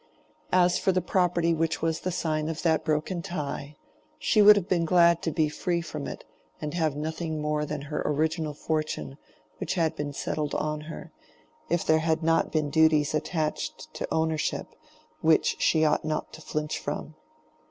As for the property which was the sign of that broken tie, she would have been glad to be free from it and have nothing more than her original fortune which had been settled on her, if there had not been duties attached to ownership, which she ought not to flinch from.